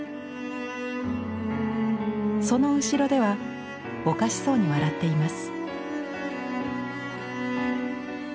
その後ろではおかしそうに笑っています。